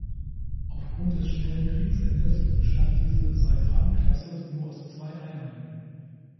Aufgrund des schnellen Kriegsendes bestand diese "Saipan"-Klasse nur aus zwei Einheiten.